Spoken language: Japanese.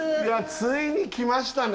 ついに来ましたね。